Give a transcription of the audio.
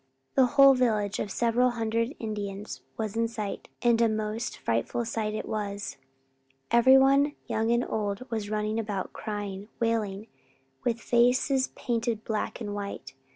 The whole village of several hundred Indians was in sight and a most frightful sight it was. Everyone young and old was running about crying, wailing, with faces painted black and white.